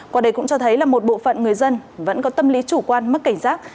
qua đây cũng cho thấy là một bộ phận người dân vẫn có tâm lý chủ quan mất cảnh giác